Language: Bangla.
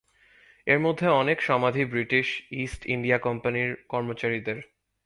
এর মধ্যে অনেক সমাধি ব্রিটিশ ইস্ট ইন্ডিয়া কোম্পানির কর্মচারীদের।